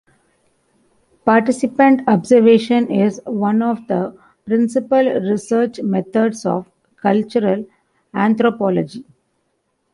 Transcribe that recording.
Participant observation is one of the principle research methods of cultural anthropology.